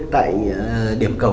tại điểm cầu